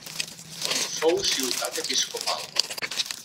Fou ciutat episcopal.